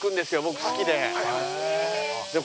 僕好きで。